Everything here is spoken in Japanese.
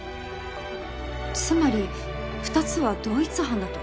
つまり２つは同一犯だと？